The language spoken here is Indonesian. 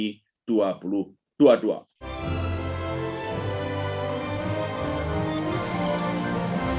pertumbuhan kredit di indonesia